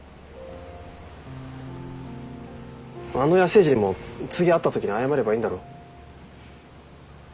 あの野生児にも次会ったときに謝ればいいんだろ？